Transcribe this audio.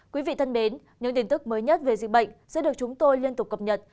quý vị thân mến những tin tức mới nhất về dịch bệnh sẽ được chúng tôi liên tục cập nhật